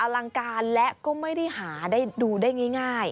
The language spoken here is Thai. และก็ไม่ได้หาดูได้ง่าย